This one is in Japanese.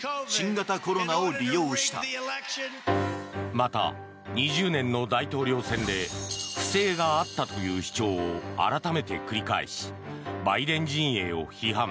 また、２０年の大統領選で不正があったという主張を改めて繰り返しバイデン陣営を批判。